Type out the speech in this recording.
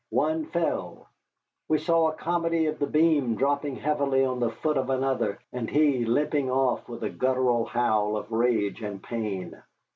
One fell. We saw a comedy of the beam dropping heavily on the foot of another, and he limping off with a guttural howl of rage and pain.